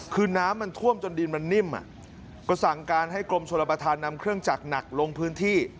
คือน้ำมันท่วมจนดินมันนิ่มก็สั่งการให้กรมชนประธานนำเครื่องจักรหนักลงพื้นที่